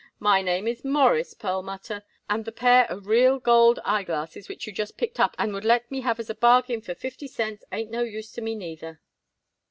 "My name is Morris Perlmutter, and the pair of real gold eye glasses which you just picked up and would let me have as a bargain for fifty cents, ain't no use to me neither."